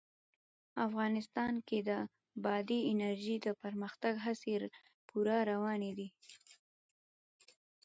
افغانستان کې د بادي انرژي د پرمختګ هڅې پوره روانې دي.